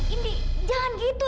indi indi jangan gitu